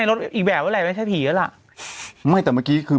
ในรถอีกแบบอะไรมั้ยไม่ใช่ผีเหรอละไม่แต่เมื่อกี้คือ